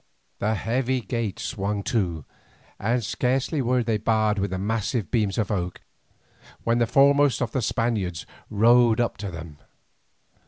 The heavy gates swung to, and scarcely were they barred with the massive beams of oak, when the foremost of the Spaniards rode up to them.